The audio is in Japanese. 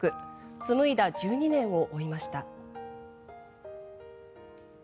紡いだ１２年を追いました。